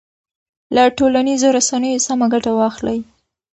له ټولنیزو رسنیو سمه ګټه واخلئ.